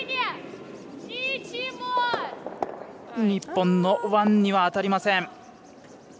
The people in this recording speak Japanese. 日本のワンには当たりません。